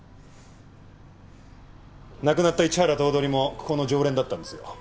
亡くなった一原頭取もここの常連だったんですよ。